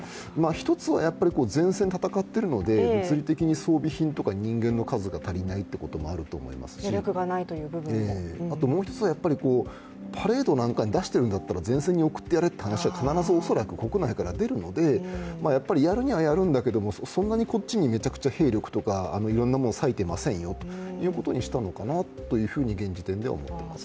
１つは前線で戦っているので物理的に装備品とか人間の数が足りないということもあるだろうしあともう一つはパレードなんかに出してるんだったら前線に送ってやれという話は必ず恐らく国内から出るのでやっぱりやるにはやるんだけれども、そんなにこっちにいろいろ兵力とかいろんなもんさいてませんよということにしたのかなと現時点では思ってますね。